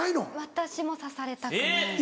私もさされたくない。